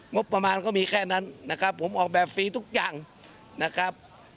งบประมาณก็มีแค่นั้นนะครับผมออกแบบฟรีทุกอย่างนะครับ